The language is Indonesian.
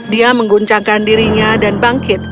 dia mengguncangkan dirinya dan bangkit